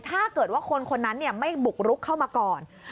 ถ้าเกิดว่าคนคนนั้นไม่บุกรุกเข้ามาก่อน